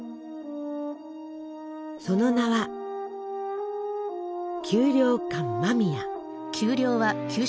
その名は給糧艦間宮。